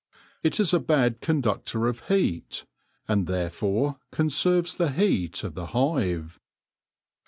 It is a bad conductor of heat, and therefore conserves the heat of the hive.